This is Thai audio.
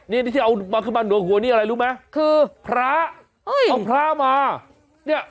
นี่ที่เอามาขึ้นมาหลวงหัวนี่อะไรรู้ไหมคือพระเอ้ยเอาพระมาเนี่ย